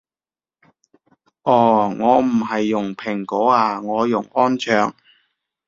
哦我唔係用蘋果啊我用安卓